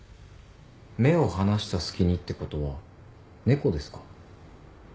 目を離した隙にってことは猫ですか？